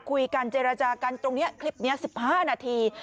เจรจากันตรงนี้คลิปนี้๑๕นาที